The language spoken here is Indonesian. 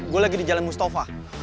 gue lagi di jalan mustafa